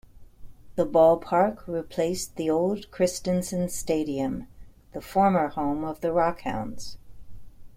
The ballpark replaced the old Christensen Stadium, the former home of the RockHounds.